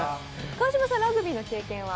川島さん、ラグビーの経験は？